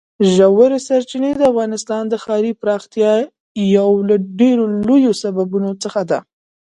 ژورې سرچینې د افغانستان د ښاري پراختیا یو له ډېرو لویو سببونو څخه ده.